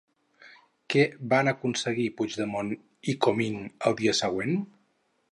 Què van aconseguir Puigdemont i Comín el dia següent?